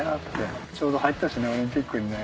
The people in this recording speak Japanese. ちょうど入ったしねオリンピックにね。